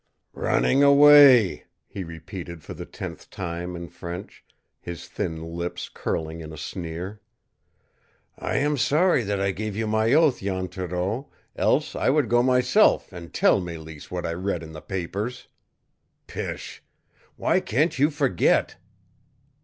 "Running away!" he repeated for the tenth time in French, his thin lips curling in a sneer. "I am sorry that I gave you my oath, Jan Thoreau, else I would go myself and tell Mélisse what I read in the papers. Pish! Why can't you forget?"